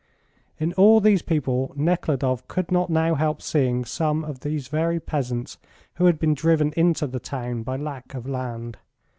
In all these people Nekhludoff could not now help seeing some of these very peasants who had been driven into the town by lack of land.